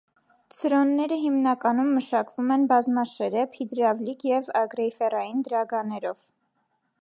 Ցրոնները հիմնականում մշակվում են բազմաշերեփ, հիդրավլիկ և գրեյֆերային դրագաներով։